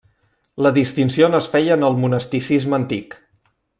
La distinció no es feia en el monasticisme antic.